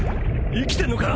生きてんのか！？